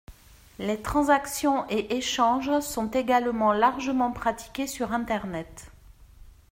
Les transactions et échanges sont également largement pratiqués sur internet.